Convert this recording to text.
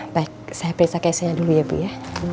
baik saya periksa keisha nya dulu ya bu ya